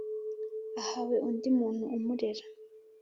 ahawe undi muntu umurera